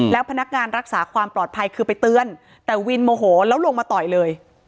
แล้วพนักงานรักษาความปลอดภัยคือไปเตือนแต่วินโมโหแล้วลงมาต่อยเลย